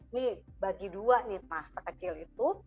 ini bagi dua nih sekecil itu